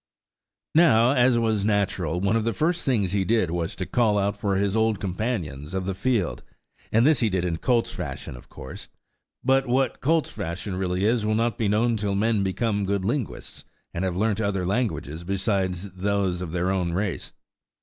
Now, as was natural, one of the first things he did was to call out for his old companions of the field, and this he did in colt's fashion of course; but what colt's fashion really is will not be known till men become good linguists, and have learnt other languages besides those of their own race.